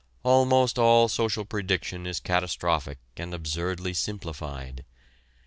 Almost all social prediction is catastrophic and absurdly simplified.